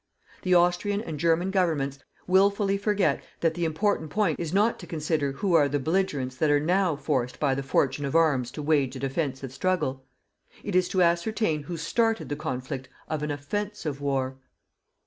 The Austrian and German Governments wilfully forget that the important point is not to consider who are the belligerents that are NOW forced by the fortune of arms to wage a defensive struggle. It is to ascertain who started the conflict of an OFFENSIVE war.